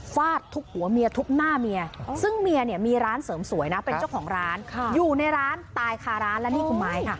ฟาดทุบหัวเมียทุบหน้าเมียซึ่งเมียเนี่ยมีร้านเสริมสวยนะเป็นเจ้าของร้านอยู่ในร้านตายคาร้านและนี่คือไม้ค่ะ